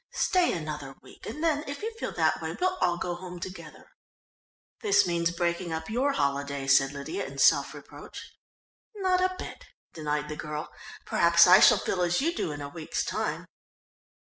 "Stay another week and then if you feel that way we'll all go home together." "This means breaking up your holiday," said Lydia in self reproach. "Not a bit," denied the girl, "perhaps I shall feel as you do in a week's time."